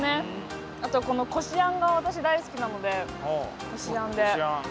あとこのこしあんが私大好きなのでこしあんで。